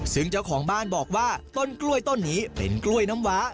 ซึ่งเจ้าของบ้านบอกว่าต้นกล้วยต้นนี้เป็นกล้วยน้ำว้า